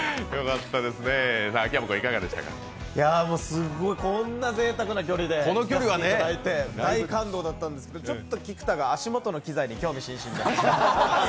すごいこんなぜいたくな距離で聴かせていただいて大感動だったんですけどちょっと菊田が足元の機材に興味津々で。